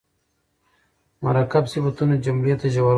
مرکب صفتونه جملې ته ژوروالی ورکوي.